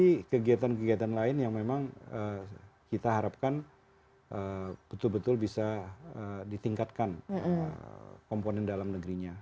dan banyak lagi kegiatan kegiatan lain yang memang kita harapkan betul betul bisa ditingkatkan komponen dalam negerinya